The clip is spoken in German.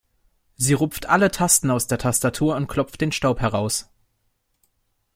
Sie rupft alle Tasten aus der Tastatur und klopft den Staub heraus.